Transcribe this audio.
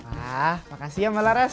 wah makasih ya mbak laras